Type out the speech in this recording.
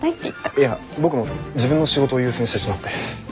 いや僕も自分の仕事を優先してしまって。